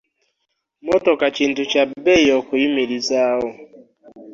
Mmotoka kintu kya bbeeyi okuyimirizaawo.